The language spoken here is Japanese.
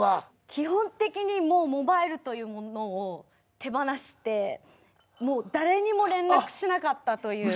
基本的にモバイルというものを手放して誰にも連絡しなかったという。